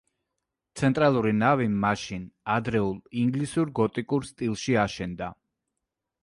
ცენტრალური ნავი მაშინ ადრეულ ინგლისურ გოტიკურ სტილში აშენდა.